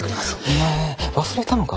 お前忘れたのか？